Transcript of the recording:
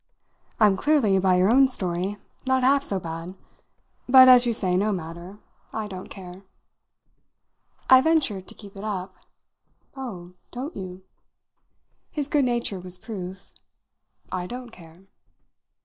"I'm clearly, by your own story, not half so bad. But, as you say, no matter. I don't care." I ventured to keep it up. "Oh, don't you?" His good nature was proof. "I don't care."